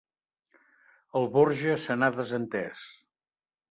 El Borja se n'ha desentès.